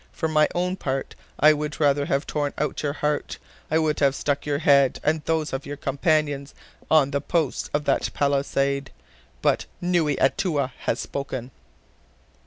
For my own part, I would rather have torn out your heart, I would have stuck your head, and those of your companions, on the posts of that palisade. But Noui Atoua has spoken."